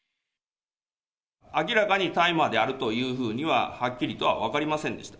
明らかに大麻であるというふうにははっきりとは分かりませんでした。